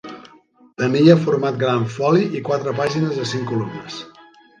Tenia format gran foli i quatre pàgines a cinc columnes.